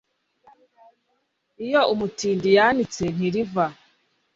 Iyo umutindi yanitse ntiriva